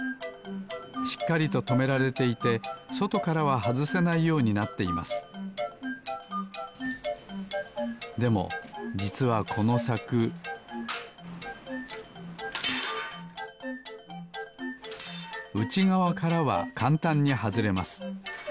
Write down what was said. しっかりととめられていてそとからははずせないようになっていますでもじつはこのさくうちがわからはかんたんにはずれます。